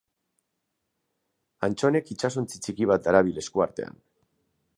Antxonek itsasontzi txiki bat darabil eskuartean.